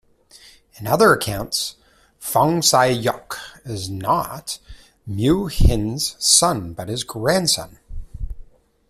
In other accounts, Fong Sai-yuk is not Miu Hin's son but his grandson.